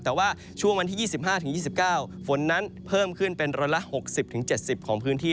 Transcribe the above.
แต่ว่าช่วงวันที่๒๕๒๙ฝนนั้นเพิ่มขึ้นเป็นร้อยละ๖๐๗๐ของพื้นที่